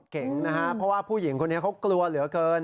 นะฮะเพราะว่าผู้หญิงคนนี้เขากลัวเหลือเกิน